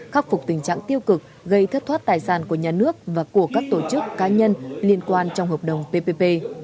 khắc phục tình trạng tiêu cực gây thất thoát tài sản của nhà nước và của các tổ chức cá nhân liên quan trong hợp đồng ppp